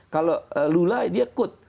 kalau lula dia kut